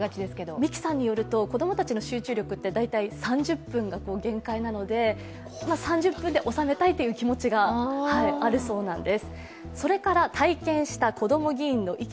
三木さんによると子供たちの集中力って大体３０分が限界なので、３０分で収めたいという気持ちがあるそうなんです。